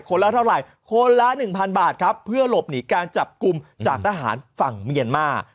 ละเท่าไหร่คนละ๑๐๐บาทครับเพื่อหลบหนีการจับกลุ่มจากทหารฝั่งเมียนมา